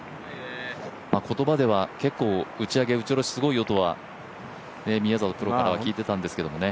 言葉では結構打ち上げ、打ち下ろしすごいよとは宮里プロから聞いてたんですけどね。